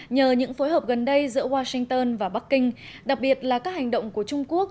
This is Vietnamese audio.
nhờ những phối hợp gần đây giữa washington và bắc kinh đặc biệt là các hành động của trung quốc